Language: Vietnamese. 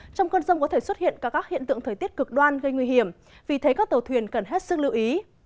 trong cơn rông có thể xuất hiện cả các hiện tượng thời tiết cực đoan gây nguy hiểm vì thế các tàu thuyền cần hết sức lưu ý